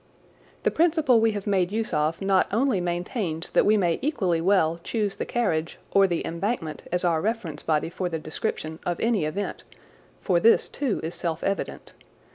The principle we have made use of not only maintains that we may equally well choose the carriage or the embankment as our reference body for the description of any event (for this, too, is self evident).